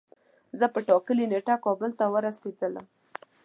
زه په ټاکلی نیټه کابل ته ورسیدلم